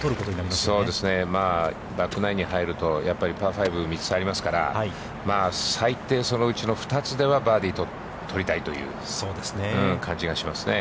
まあバックナインに入ると、やっぱりパー５が３つありますから、最低、そのうちの２つはバーディーを取りたいという感じがしますね。